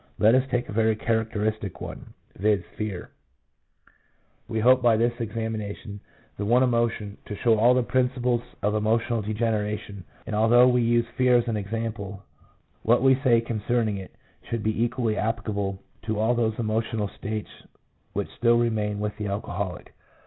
Let us take a very characteristic one — viz., fear. We hope by the examination of this 1 G. R. Wilson, Drunkenness, pp. 34f. 148 PSYCHOLOGY OF ALCOHOLISM. one emotion to show all the principles of emotional degeneration, and although we use fear as an example, what we say concerning it should be equally applic able to all those emotional states which still remain with the alcoholic.